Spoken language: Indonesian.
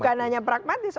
bukan hanya pragmatis